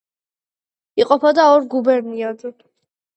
იყოფოდა ორ გუბერნიად.